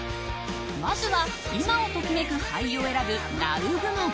まずは、今を時めく俳優を選ぶＮＯＷ部門。